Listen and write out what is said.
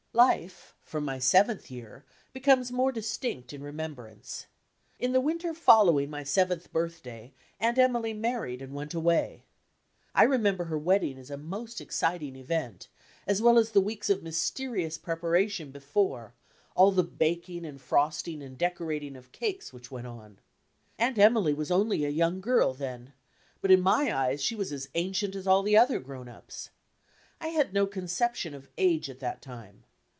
Life, from my seventh year, becomes more distina in remembrance. In the winter following my seventh birth day. Aunt Emily married and went away. I remember her wedding as a most exciting event, as well as the weeks of mysterious preparation before; all the baking and frosting and decorating of cakes which went on! Aunt Emily was only a young girl then, but in my eyes she was as ancient as all the other grown ups. I had no conception of age at that time.